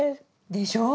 でしょう？